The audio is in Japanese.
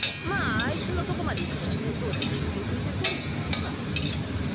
まああいつのとこまで行くのも面倒だし自分でとりに行くか。